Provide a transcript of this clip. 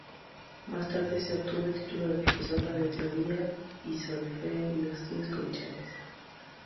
Más tarde obtiene el título de Profesora de Teoría y Solfeo y Estudios Comerciales.